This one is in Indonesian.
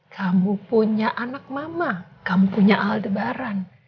kamu punya anak mama kamu punya aldebaran